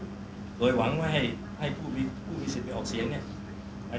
เผยหวังว่าให้ผู้มีสิทธิ์ไม่ออกเสียงเนี่ย